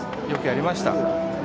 よくやりました。